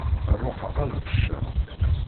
Ṛuḥeɣ ad d-becceɣ.